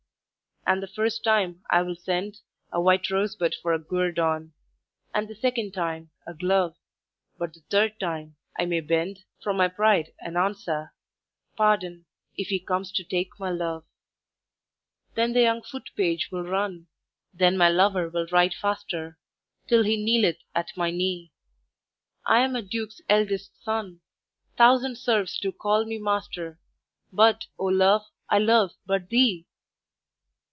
"And the first time, I will send A white rosebud for a guerdon, And the second time, a glove; But the third time I may bend From my pride, and answer: 'Pardon, If he comes to take my love.' "Then the young foot page will run Then my lover will ride faster, Till he kneeleth at my knee: 'I am a duke's eldest son! Thousand serfs do call me master, But, O Love, I love but _thee!